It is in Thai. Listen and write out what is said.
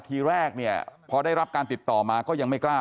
ทีแรกเนี่ยพอได้รับการติดต่อมาก็ยังไม่กล้า